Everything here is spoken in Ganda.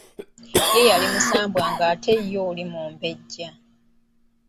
Ye yali musambwa ng'ate ye oli mumbejja.